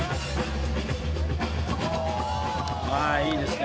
ああいいですね。